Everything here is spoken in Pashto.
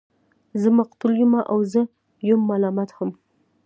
زه مقتول يمه او زه يم ملامت هم